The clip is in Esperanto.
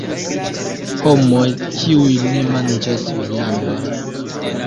Homoj, kiuj ne manĝas viandon.